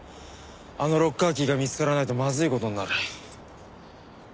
あのロッカーキーが見つからないとまずい事になる。